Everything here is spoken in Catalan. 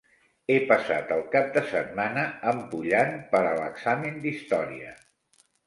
He passat el cap de setmana empollant per a l'examen d'història.